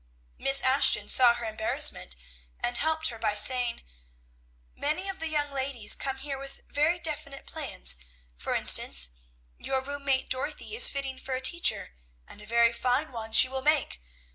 Miss Ashton saw her embarrassment, and helped her by saying, "Many of the young ladies come here with very definite plans; for instance, your room mate Dorothy is fitting for a teacher, and a very fine one she will make!